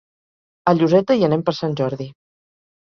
A Lloseta hi anem per Sant Jordi.